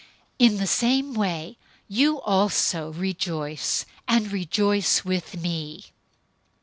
002:018 In the same way, you also rejoice, and rejoice with me.